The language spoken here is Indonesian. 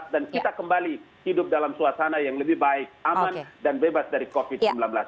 dan kita kembali hidup dalam suasana yang lebih baik aman dan bebas dari covid sembilan belas